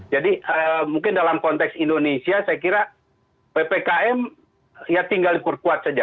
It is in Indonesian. jadi mungkin dalam konteks indonesia saya kira ppkm ya tinggal ukur kuat saja